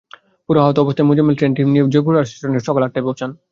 পরে আহত অবস্থায় মোজাম্মেল ট্রেনটি নিয়ে জয়পুরহাট স্টেশনে সকাল আটটায় পৌঁছান।